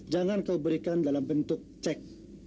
jangan kau berikan dalam bentuk cek